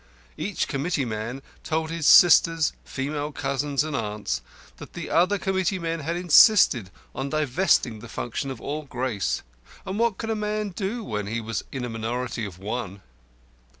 Each committeeman told his sisters, female cousins, and aunts, that the other committeemen had insisted on divesting the function of all grace; and what could a man do when he was in a minority of one?